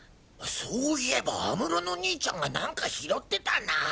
そいえば安室の兄ちゃんが何か拾ってたなぁ。